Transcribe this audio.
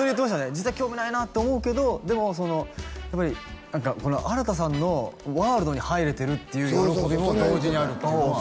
実は興味ないなって思うけどでもそのやっぱり何か新さんのワールドに入れてるっていう喜びも同時にあるっていうのはああ